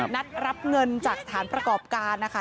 นัดรับเงินจากสถานประกอบการนะคะ